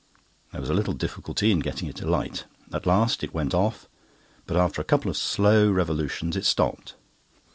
There was a little difficulty in getting it alight. At last it went off; but after a couple of slow revolutions it stopped.